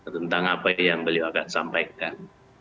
tentang apa yang beliau akan sampaikan